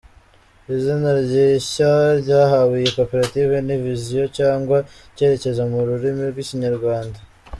Izina rishya ryahawe iyi koperative ni “Vision” cyangwa icyerekezo mu rurimi rw’ikinyarwanda.